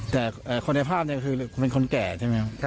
แต่คนในภาพเนี่ยคือเป็นคนแก่ใช่ไหมครับ